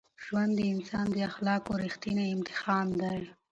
ژوند د انسان د اخلاقو رښتینی امتحان دی.